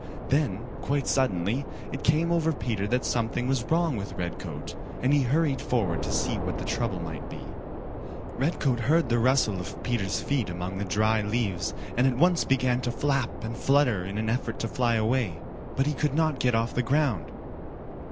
Then quite suddenly it came over Peter that something was wrong with Redcoat, and he hurried forward to see what the trouble might be. Redcoat heard the rustle of Peter's feet among the dry leaves and at once began to flap and flutter in an effort to fly away, but he could not get off the ground.